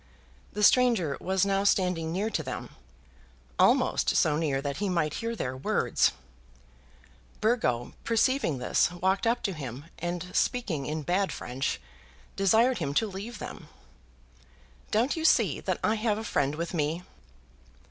The stranger was now standing near to them, almost so near that he might hear their words. Burgo, perceiving this, walked up to him, and, speaking in bad French, desired him to leave them. "Don't you see that I have a friend with me?"